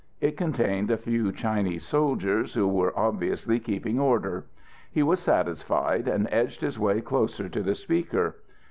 It contained a few Chinese soldiers, who were obviously keeping order. He was satisfied, and edged his way closer to the speaker.